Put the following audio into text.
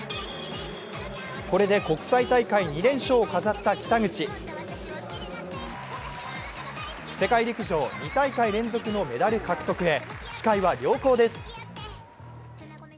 これで国際大会２連勝を飾った北口世界陸上２大会連続のメダル獲得へ視界は良好です。